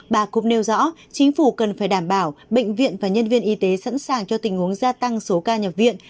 bà cũng nêu rõ chính phủ cần phải đảm bảo bệnh viện và nhân viên y tế sẵn sàng cho tình huống gia tăng số ca nhập viện